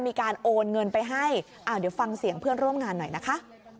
มีการโอนเงินไปให้เดี๋ยวฟังเสียงเพื่อนร่วมงานหน่อยนะคะ